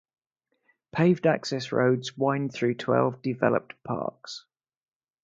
Paved access roads wind through twelve developed parks.